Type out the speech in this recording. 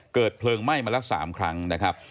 เกิดเพลิงไหม้มาละ๓ครั้งนะครับ